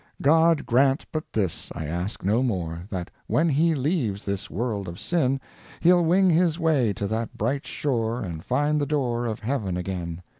God grant but this, I ask no more, That when he leaves this world of sin, He'll wing his way to that bright shore And find the door of Heaven again.